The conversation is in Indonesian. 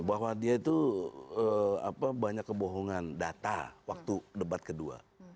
bahwa dia itu banyak kebohongan data waktu debat kedua